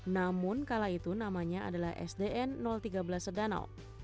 namun kala itu namanya adalah sdn tiga belas seganau